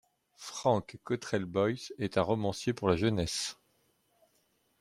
Frank Cottrell Boyce est un romancier pour la jeunesse.